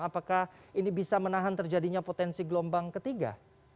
apakah ini bisa menahan terjadinya potensi gelombang ketiga